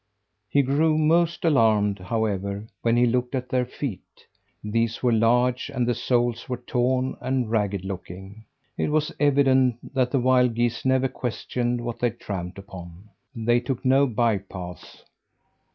He grew most alarmed, however, when he looked at their feet. These were large, and the soles were torn and ragged looking. It was evident that the wild geese never questioned what they tramped upon. They took no by paths.